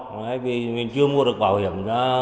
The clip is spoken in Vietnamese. vì mình chưa mua được bảo hiểm